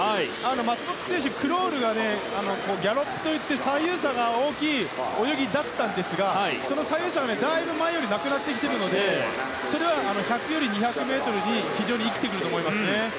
松元選手、クロールがギャロップといって左右差が大きい泳ぎでしたがその左右差も、だいぶ前よりなくなってきているのでそれは１００より２００ｍに非常に生きてくると思います。